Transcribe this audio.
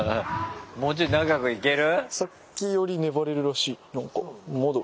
もうちょい長くいける？